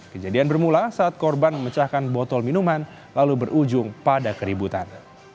kejadian bermula saat korban memecahkan botol minuman lalu berujung pada keributan